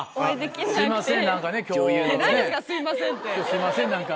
すいません何か。